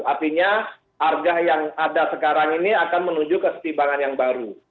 artinya harga yang ada sekarang ini akan menuju kesetimbangan yang baru